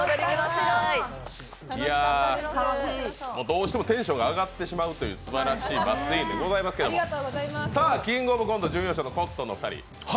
どうしてもテンションが上がってしまうというすばらしいゲームでございますけれども、「キングオブコント」準優勝のコットンのお二人。